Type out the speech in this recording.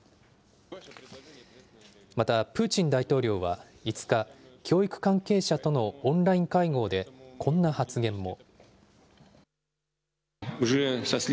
また、プーチン大統領は５日、教育関係者とのオンライン会合でこんな発言も。